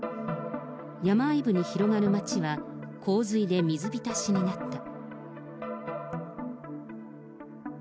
山あいに広がる街は、洪水で水浸しになった。